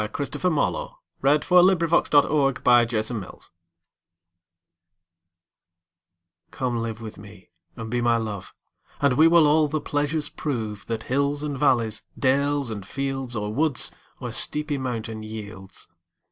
Christopher Marlowe. 1564–93 121. The Passionate Shepherd to His Love COME live with me and be my Love, And we will all the pleasures prove That hills and valleys, dales and fields, Or woods or steepy mountain yields.